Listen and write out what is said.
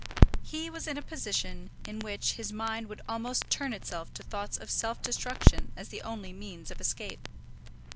He was in a position in which his mind would almost turn itself to thoughts of self destruction as the only means of escape.